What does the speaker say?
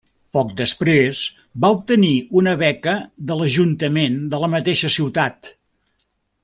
Poc després va obtenir una beca de l'Ajuntament de la mateixa ciutat.